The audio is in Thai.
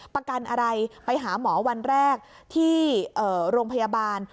ประกันอะไรไปหาหมอวันแรกที่โรงพยาบาล